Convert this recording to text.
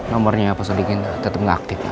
nomornya apa sudah digini tetep nggak aktif pak